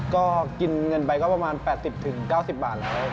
ก็กินเงินไปก็ประมาณ๘๐๙๐บาทแล้ว